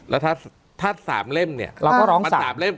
แล้วถ้าถ้าสามเล่มเนี่ยเราก็ร้องสามสามเล่ม